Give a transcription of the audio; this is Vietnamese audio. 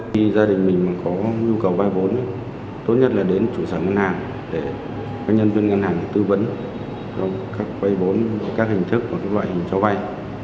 khi gia đình mình có nhu cầu vay vốn tốt nhất là đến trụ sở ngân hàng để các nhân viên ngân hàng tư vấn các vay bốn các hình thức và loại hình cho vay